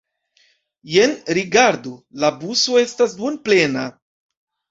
Jen rigardu: la buso estas duonplena.